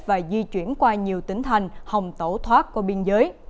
và di chuyển qua nhiều tỉnh thành hồng tổ thoát qua biên giới